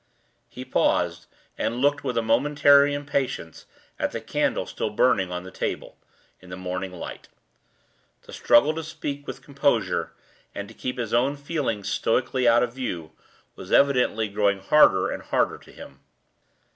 He paused, and looked with a momentary impatience at the candle still burning on the table, in the morning light. The struggle to speak with composure, and to keep his own feelings stoically out of view, was evidently growing harder and harder to him.